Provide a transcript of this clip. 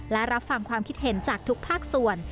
และรับฟังความคิดเห็นจากทุกภาคส่วน